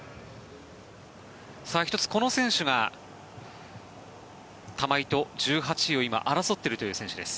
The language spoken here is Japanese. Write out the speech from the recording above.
１つ、この選手が玉井と１８位を今、争っているという選手です